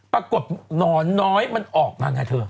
หนอนน้อยมันออกมาไงเธอ